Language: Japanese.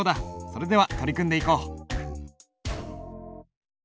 それでは取り組んでいこう。